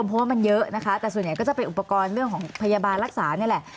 เพราะว่ามันเยอะนะคะแต่ส่วนใหญ่ก็จะเป็นอุปกรณ์เรื่องของพยาบาลรักษานี่แหละ